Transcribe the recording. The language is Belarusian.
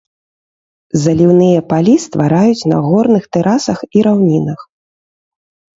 Заліўныя палі ствараюць на горных тэрасах і раўнінах.